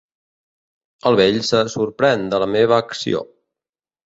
El vell se sorprèn de la meva acció.